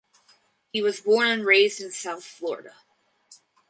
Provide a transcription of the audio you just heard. He was born and raised in South Florida.